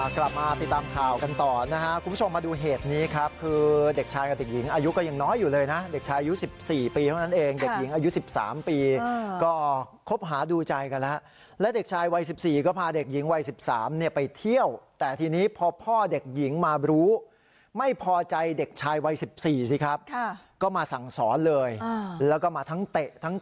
กลับมาติดตามข่าวกันต่อนะฮะคุณผู้ชมมาดูเหตุนี้ครับคือเด็กชายกับเด็กหญิงอายุก็ยังน้อยอยู่เลยนะเด็กชายอายุ๑๔ปีเท่านั้นเองเด็กหญิงอายุ๑๓ปีก็คบหาดูใจกันแล้วและเด็กชายวัย๑๔ก็พาเด็กหญิงวัย๑๓เนี่ยไปเที่ยวแต่ทีนี้พอพ่อเด็กหญิงมารู้ไม่พอใจเด็กชายวัย๑๔สิครับก็มาสั่งสอนเลยแล้วก็มาทั้งเตะทั้ง